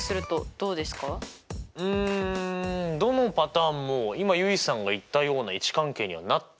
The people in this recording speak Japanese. うんどのパターンも今結衣さんが言ったような位置関係にはなってない。